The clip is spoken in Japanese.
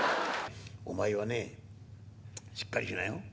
お前はね、しっかりしなよ。